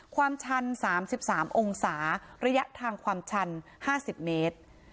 ความชัน๓๓องศาระยะทางความชัน๕๐เมตร